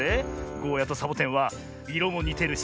ゴーヤとサボテンはいろもにてるしね